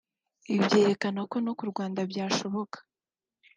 ibi byerekana ko no ku Rwanda byashoboka